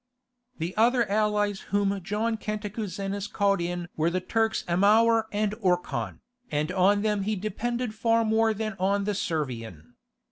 The other allies whom John Cantacuzenus called in were the Turks Amour and Orkhan, and on them he depended far more than on the Servian.